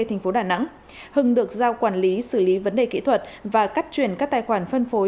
thành phố đà nẵng hưng được giao quản lý xử lý vấn đề kỹ thuật và cắt chuyển các tài khoản phân phối